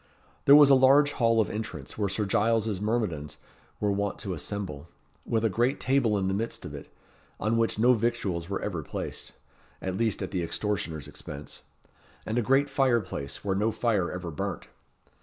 There was a large hall of entrance, where Sir Giles's myrmidons were wont to assemble, with a great table in the midst of it, on which no victuals were ever placed at least at the extortioner's expense and a great fire place, where no fire ever burnt.